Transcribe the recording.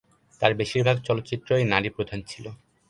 তার বেশির ভাগ চলচ্চিত্রই নারী প্রধান ছিল।